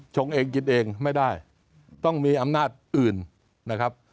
ชงเองกินเองไม่ได้ต้องมีอำนาจอื่นนะครับ